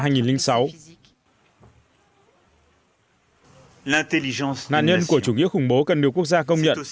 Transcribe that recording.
nạn nhân của chủ nghĩa khủng bố cần được quốc gia công nhận